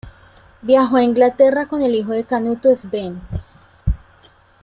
Viajó a Inglaterra con el hijo de Canuto Svend.